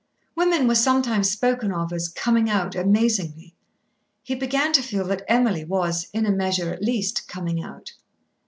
Women were sometimes spoken of as "coming out amazingly." He began to feel that Emily was, in a measure at least, "coming out."